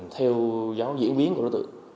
theo giáo diễn biến của đối tượng